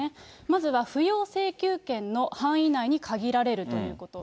まずは、扶養請求権の範囲内に限られるということ。